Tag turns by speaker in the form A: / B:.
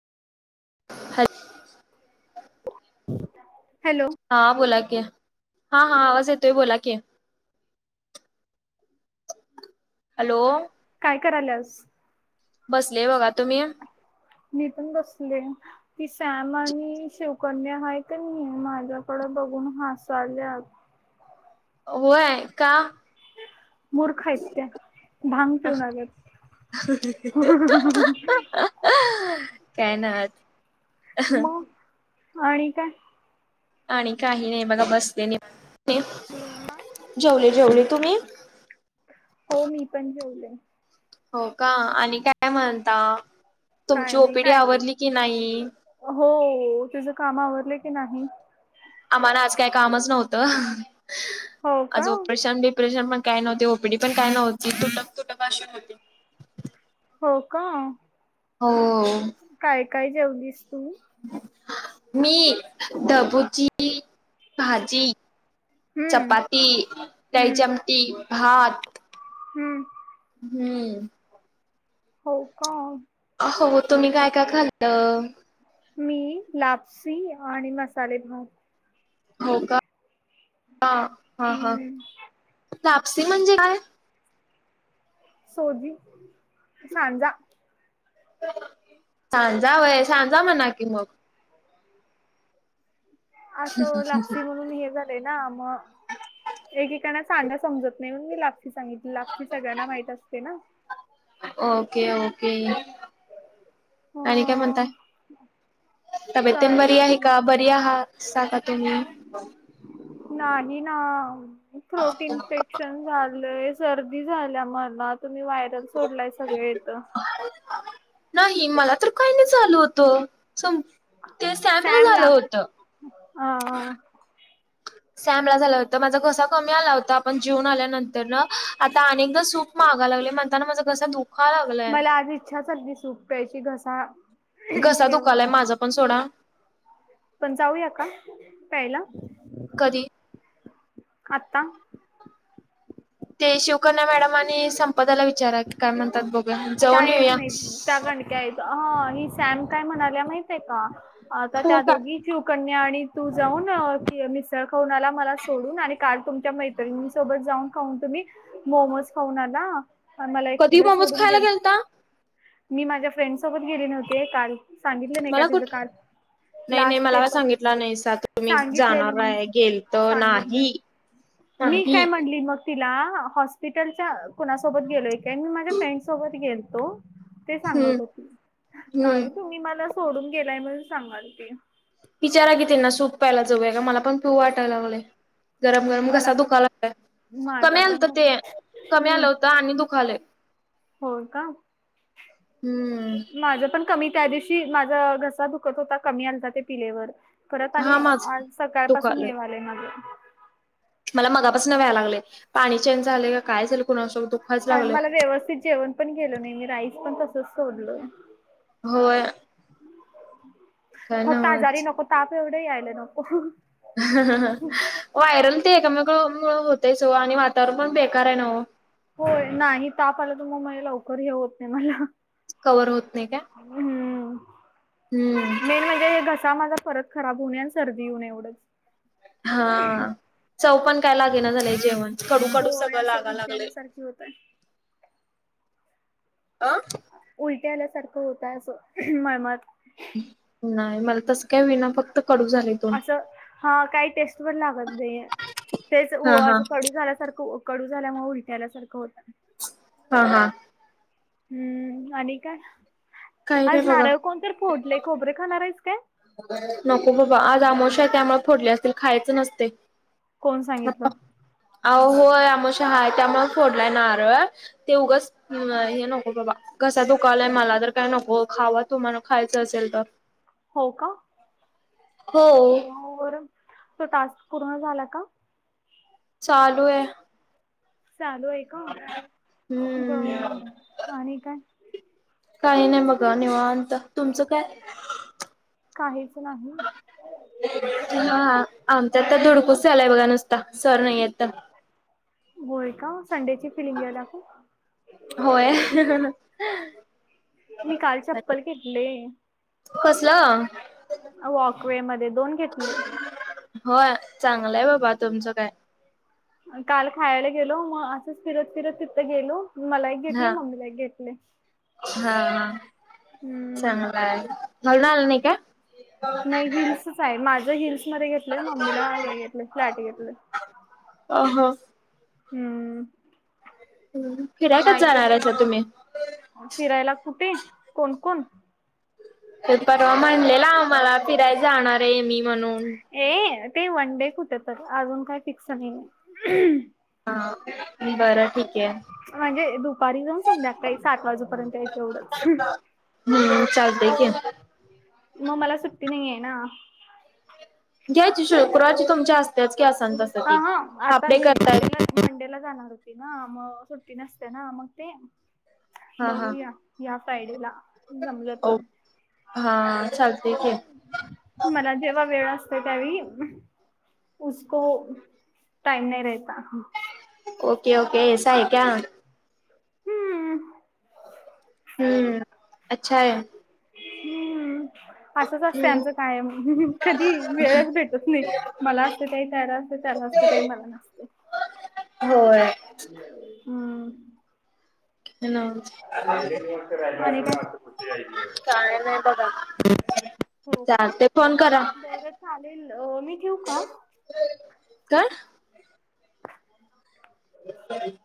A: हल.
B: हॅलो.
A: हा बोला क हा हा आवाज येतोय बोला क. हॅलो.
B: काय करायला आज.
A: बसले बघा तुम्ही.
B: मीथून बसले. ती सॅम आणि शिवकन्या आहेा का नाही माझ्याकडे बघून हसाल्या.
A: होय का.
B: मुूर्खा येत त्या भांग पिऊ लागत.
A: [unintelligible] काय ना.
B: मग आणि काय.
A: आणि काही नाही बघा बसले नाही जेवले जेवले तुम्ही.
B: हो मी पण जेवले.
A: हो का आणि काय म्हणता
B: काय
A: तुमची
B: नाही
A: ओपीडी
B: काय
A: आवडली की नाही.
B: हो तुझ काम आवरले की नाही.
A: आम्हाला आज काही कामच नव्हतं
B: हो का
A: आज ऑपरेशन बी. प्रेशन पण काय नव्हते ओपीडी पण काय नव्हती तुक तुटकशी होते.
B: हो का.
A: हो.
B: काय काय जेवलीस तू.
A: मी बूची भाजी.
B: हम्म
A: चपाती
B: हम्म
A: दयचमटी भात.
B: हम्म.
A: हम्म.
B: हो का?
A: हो हो तुम्ही काय काय खाल्लं.
B: मी लापसी आणि मसाले भात.
A: हो का ह हा हा
B: हम्म
A: कापस म्हणजे काय.
B: सोजी सांजा
A: सांजा वय सांजा म्हणा कि मग
B: असं लापसी म्हणून हे जात. मग एककाना चां समजत नाही म्ह मी लागत. सांगितली लाग सगळ्यांना माहित असते ना.
A: ओके ओके आणि काय म्हणताय.
B: अ
A: तब्येतन
B: काय
A: बरी आहे का
B: नाही
A: बरी आहात सांगा तुम्ही?
B: नाही ना प्रोटीन इनफेक्शन झालंय. सर्दी झाल्या मला तुम्ही वायरल सोडलाय सगळथ.
A: नाही मला तर काही नाही ल होत स ते सॅमला झालं होत.
B: ह.
A: सॅमला झाला होता माझा घसा कमी आला होता आपण जेवून आल्यानंतर न आता अनेकदा सुख मागा लागले म्हणताना माझं कस धु
B: मला आज इच्छाच अगली सूट प्यायची घसा.
A: कसा
B: ते होते
A: दुखालाय माझा पण सोडा.
B: पण जाऊया का प्यायला.
A: कधी?
B: आता
A: ते शिवकन्या मॅडमने संपदाला विचारा क काय म्हणतात बघ जाऊन येऊया.
B: ह ही सॅम काय म्हणाल्या माहितय का आता
A: हो
B: त्या
A: का
B: दोघी ठव कन्या आणि तू जाऊन मिसळ खाऊनला मला सोडून आणि काल तुमच्या मै सोबत जाऊन खाऊन तुम्ही मोमोज खाऊन आला. मला
A: कधी
B: एकटीला
A: मोमोज
B: सोडून
A: खायला गेल ना
B: मी माझ्या फ्रेंड सोबत गेले न्हते काल सांगितलं नाही का
A: मला
B: तिचं
A: कुठ
B: काल
A: नाही नाही
B: लास्ट
A: मला काय
B: पेपर आहे
A: सांगितलं नाही सा तुम्ही
B: सांगितलेलीि
A: जाणार
B: मी
A: आहे गेलत
B: सांगितलं
A: नाही.
B: मी
A: नाही.
B: काय म्हणली मग तिला हॉस्पिटलच्या कुणासोबत गेलोय का मी माझ्या फ्रेंड सोबत गेलतो ते
A: हम्म
B: सांगत होती
A: हम्म
B: नाही तुम्ही मला सोडून गेलाय म्हणून सांगाल ती
A: वििचारा की त्यांना सूप प्यायला जाऊया का मला पण पिू वाटायला लागलंय गरम गरम
B: मला
A: घसा
B: पण
A: दुखालालाय
B: माझा
A: कमी आलंत
B: पण
A: ते
B: हम्म
A: कमी आलं होतं आणि दुखालंय
B: हो का
A: हम्म
B: माझ पण कमी त्या दिवशी माझा घसा दुखत होता कमी आलता ते पिलेवर परत
A: हा
B: आणि
A: माझ
B: आज सकाळ पाासून
A: दुखालय
B: ये आलंय माझ
A: मला मगापास न व्याय लागय पाणी चेंज झाले काय झाईल कुणा असबतो
B: काय मला व्यवस्थित जेवण पण गेल नाही मी राईस पण तसच सोडलोय
A: होय काय
B: फक्त आजारी
A: नव्हच.
B: नको ताप एवढेही आयले नको
A: व्हायरल ते एकमेका मु होतयच हो आणि वातावरण पण बेकार आहे ना
B: होय नाही ताप आला त मग म लवकर हे होत नाही मला
A: कव्हवर होत नाही का
B: हम्म मेन म्हणजे हे घसा माझा परत खराब होऊणे आणि सर्दी होऊणे एवढंच
A: हा चव पण काय लागेना झाले जेवण कडूकडू सगळं लागा लागले
B: होत
A: अं
B: उलट्या आल्यासारखं होत असं मळमत
A: नाही मला तसं काय विना फक्त कडू झाले
B: असं हा काही टेस्ट पण लागत नाही तेच
A: हा हा
B: असं कडू झाल्यासारखं कडू झाल्यामुळे विटयलासारखं होत
A: हा हा
B: हम्म आणि काय
A: काही
B: आज
A: नाही बघा
B: नारळ कोणत फोडले. खोबरे खाणार आहे काय
A: नको बाबा आज आमवशा त्यामुळे फोडले असतील खायच नसते
B: कोण सांगितलं
A: अह होय आमश हाय त्याम फोडलाय न ते उगच हे नको बाबा कसा दुखलाय मला तर काय नको खावा तुमला खायचं असेल तर
B: हो का
A: हो
B: बर तो टास्क पूर्ण झाला का
A: चालू आहे
B: चालू आहे का
A: हम्म
B: बर आणि काय
A: काही नाही बघ निवात तुमचं काय
B: काहीच नाही
A: हा आमच्या आता धुडकूस झालाय बघा नुसता सर नाही आहे तर
B: होय का संडेची फिलिंग घ दाखवून
A: होय
B: मी काल चप्पल घेतले
A: कसलं
B: वॉकवे मध्ये दोन घेतले
A: हो चांगलंय बाबा तुमचं काय
B: काल खायला गेलो मग असंच फिरत फिरत तिथं गेलो मला एक घेतले
A: हा
B: मम्मीला एक घेतले हम्म
A: चांगलाय घलून आलं नाही का?
B: नाही हिल्सच आहे माझं हिल्स मध्ये घेतलंय मम्मीला हे घेतलं फ्लॅट घेतलं
A: अ ह
B: हम्म
A: फिरायकच
B: नाही
A: जाणार आहे तुम्ही
B: फिरायला कुठे कोणकण
A: तर परवा म्हणलेला आ मला फिरायला जाणार आहे मी म्हणून
B: ए ते वन डे कुठे तर अजून काय फिक्सन नाही नाही
A: हा बरं ठीक आहे
B: म्हणजे दुपारी जाऊन संध्याकाळी सात वाजेपर्यंत याय एवढंच
A: हम् चालत क
B: मग मला सुट्टी नाही आहे ना
A: घ्यायची शुक्रवारची तुमच्या असते्याच क असंत
B: ह हा आता मी मंडेला जाणार होती ना मग सुट्टी नसते ना मग ते
A: हा हा
B: बघूया या फ्रायडे ला
A: हा चालते ते
B: मला जेव्हा वेळ असतो त्यावे हसको टाईम नाही राहता
A: ओके ओके स आहे का
B: हम्म
A: हम्म अच्छा आहे
B: हम्म असंच असते
A: हम्म
B: आचं कायम कधी वेळच भेटत नाही मला असते तेही त्याला असते त्याला असते तेई मला नसते
A: होय.
B: हम्म
A: ह ना
B: मन कठी हो का
A: चालते फ
B: बरं चालेल मी ठेऊ का
A: का ह